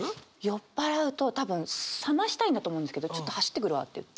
酔っ払うと多分さましたいんだと思うんですけどちょっと走ってくるわって言って。